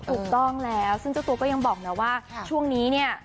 ถูกต้องแล้วซึ่งเจ้าตัวก็ยังบอกนะว่าช่วงนี้เนี่ย